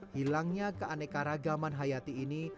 hilangnya keanekaragaman hayati ini